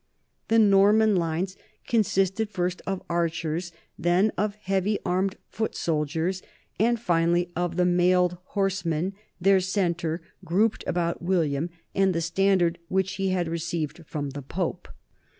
The Norman lines consisted first of archers, then of heavy armed foot soldiers, and finally of the mailed horsemen, their centre grouped about William and the standard which he had received from the Pope.